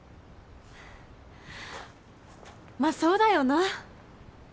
まっそうだよな